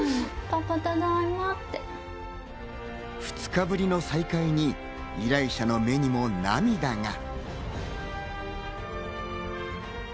２日ぶりの再会に依頼者の目にも涙が。